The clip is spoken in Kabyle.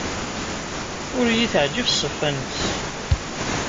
Ur iyi-teɛjib ṣṣifa-nnes.